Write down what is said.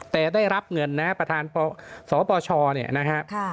แต่ได้รับเงินนะประธานสปชเนี่ยนะฮะ